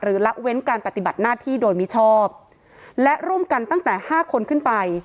ละเว้นการปฏิบัติหน้าที่โดยมิชอบและร่วมกันตั้งแต่ห้าคนขึ้นไป